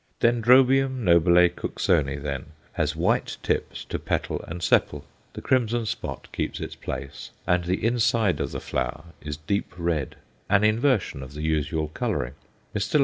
Dendrobium nobile Cooksoni, then, has white tips to petal and sepal; the crimson spot keeps its place; and the inside of the flower is deep red an inversion of the usual colouring. Mr.